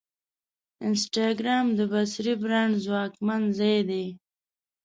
انسټاګرام د بصري برانډ ځواکمن ځای دی.